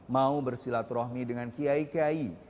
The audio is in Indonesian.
mau bersilaturahmi dengan kiai kiai